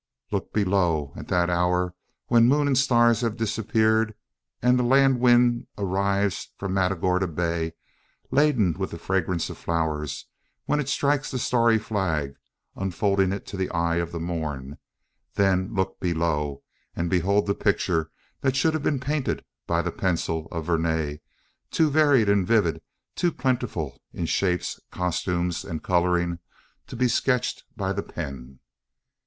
Look below at that hour when moon and stars have disappeared, and the land wind arrives from Matagorda Bay, laden with the fragrance of flowers; when it strikes the starry flag, unfolding it to the eye of the morn then look below, and behold the picture that should have been painted by the pencil of Vernet too varied and vivid, too plentiful in shapes, costumes, and colouring, to be sketched by the pen.